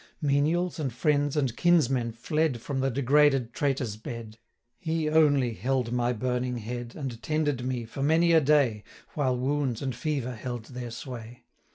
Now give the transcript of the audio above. Menials, and friends, and kinsmen fled From the degraded traitor's bed, 180 He only held my burning head, And tended me for many a day, While wounds and fever held their sway.